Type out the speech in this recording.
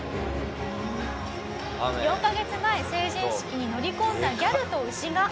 ４カ月前成人式に乗り込んだギャルと牛が。